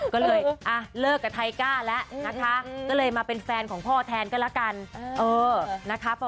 ก็เลยเลิกกับไทก้าแล้วนะคะก็เลยมาเป็นแฟนของพ่อแทนก็แล้วกัน